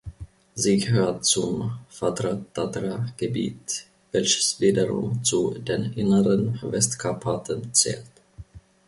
Sie gehört zum Fatra-Tatra-Gebiet, welches wiederum zu den Inneren Westkarpaten zählt.